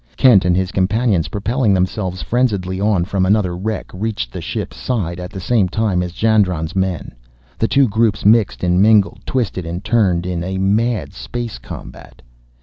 Kent and his companions, propelling themselves frenziedly on from another wreck, reached the ship's side at the same time as Jandron's men. The two groups mixed and mingled, twisted and turned in a mad space combat.